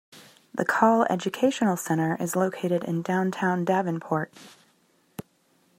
The Kahl Educational Center is located in downtown Davenport.